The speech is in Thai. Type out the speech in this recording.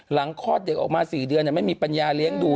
คลอดเด็กออกมา๔เดือนไม่มีปัญญาเลี้ยงดู